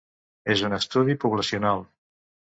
És un estudi poblacional.